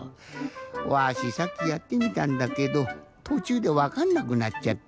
わしさっきやってみたんだけどとちゅうでわかんなくなっちゃった。